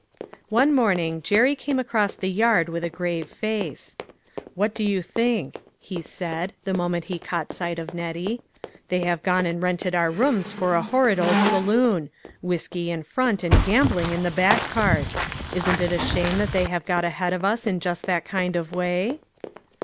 One morning Jerry came across the yard with a grave face. "What do you think?" he said, the moment he caught sight of Nettie. " They have gone and rented our rooms for a horrid old saloon ; whiskey in front, and gambling in the back part ! Isn't it a shame that they have got ahead of us in that kind of way